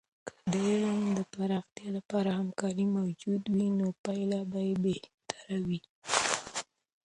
که د علم د پراختیا لپاره همکارۍ موجودې وي، نو پایلې به بهتره وي.